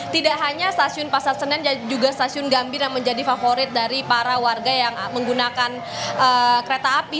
tidak hanya stasiun pasar senen dan juga stasiun gambir yang menjadi favorit dari para warga yang menggunakan kereta api